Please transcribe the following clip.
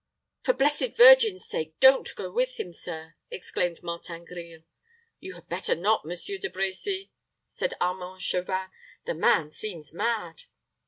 "For the blessed Virgin's sake, don't go with him, sir," exclaimed Martin Grille. "You had better not, Monsieur De Brecy," said Armand Chauvin. "The man seems mad."